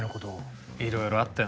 いろいろあってな。